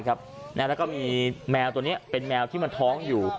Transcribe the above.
แล้วก็มีแมวตัวนี้เป็นแมวที่มันท้องอยู่